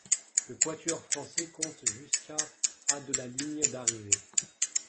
Le quatuor français compte jusqu'à à de la ligne d'arrivée.